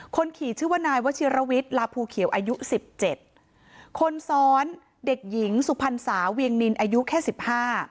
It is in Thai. คนขี่ชื่อว่านายวชิรวิทย์ลาภูเขียวอายุสิบเจ็ดคนซ้อนเด็กหญิงสุพรรณสาเวียงนินอายุแค่สิบห้า